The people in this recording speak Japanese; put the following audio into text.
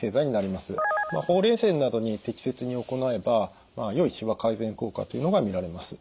ほうれい線などに適切に行えばよいしわ改善効果というのが見られます。